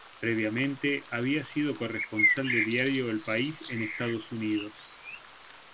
Previamente había sido corresponsal del diario El País en Estados Unidos.